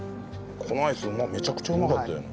このアイスめちゃくちゃうまかったよな。